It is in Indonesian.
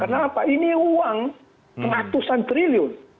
kenapa ini uang ratusan triliun